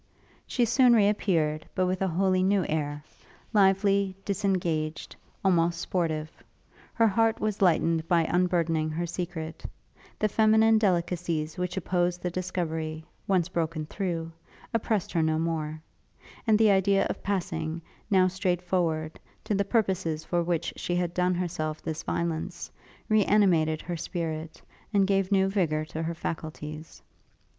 She soon re appeared, but with a wholly new air; lively, disengaged, almost sportive. Her heart was lightened by unburthening her secret; the feminine delicacies which opposed the discovery, once broken through, oppressed her no more; and the idea of passing, now, straight forward, to the purposes for which she had done herself this violence, re animated her spirit, and gave new vigour to her faculties.